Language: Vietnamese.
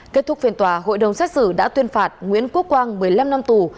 kết thúc phiên tòa hội đồng xét xử đã tuyên phạt nguyễn quốc quang một mươi năm năm tù